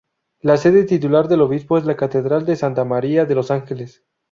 La sede titular del obispo es la catedral de Santa María de los Ángeles.